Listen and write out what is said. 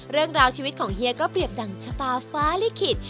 เรื่องราวชีวิตของเฮียก็เรียบดั่งชะตาฟ้าลิขิต